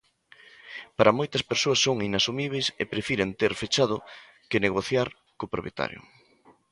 "Para moitas persoas son inasumíbeis e prefiren ter fechado que negociar co propietario".